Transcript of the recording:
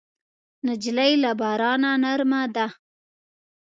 نجلۍ له بارانه نرمه ده.